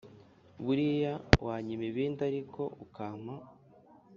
Buriya wanyima ibindi ariko ukampa